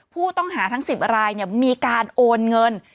ผู้ต้องหาทั้ง๑๐รายมีการโอนเงิน